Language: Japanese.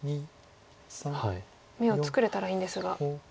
眼を作れたらいいんですが。